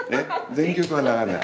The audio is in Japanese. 全曲は流れない？